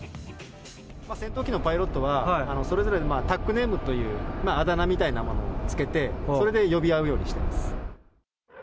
戦闘機のパイロットはそれぞれ、タックネームという、あだ名みたいなものをつけて、それで呼び合うようにしています。